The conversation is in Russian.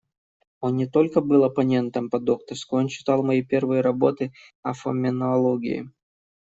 Он не только был оппонентом по докторской, он читал мои первые работы о феноменологии.